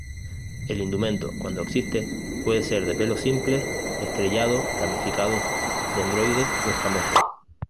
El indumento, cuando existe, puede ser de pelos simples, estrellados, ramificado-dendroides o escamosos.